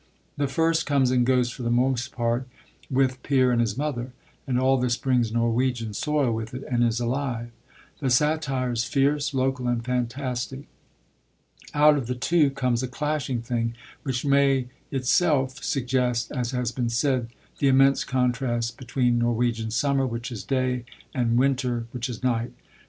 The first comes and goes for the most part with Peer and his mother; and all this brings Norwegian soil with it, and is alive. The satire is fierce, local, and fantastic. Out of the two comes a clashing thing which may itself suggest, as has been said, the immense contrast between Norwegian summer, which is day, and winter, which is night.